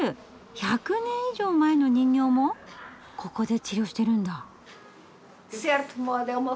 １００年以上も前の人形もここで治療してるんだ。